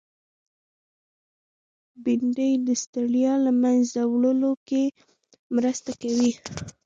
بېنډۍ د ستړیا له منځه وړو کې مرسته کوي